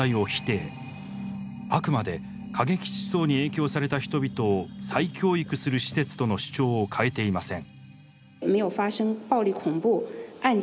あくまで過激思想に影響された人々を再教育する施設との主張を変えていません。